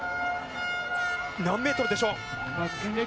何メートルでしょう。